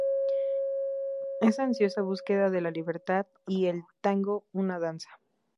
Esa ansiosa búsqueda de la libertad" y "El tango una danza.